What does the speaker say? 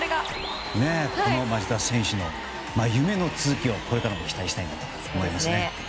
町田選手の夢の続きをこれからも期待したいなと思いますね。